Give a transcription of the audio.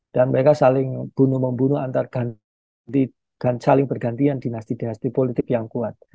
dan mereka saling bunuh bunuh antar saling bergantian dinasti dinasti politik yang kuat